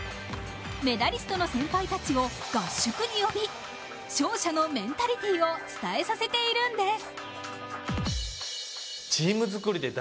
メダリストの先輩たちを合宿に呼び、勝者のメンタリティーを伝えさせているんです。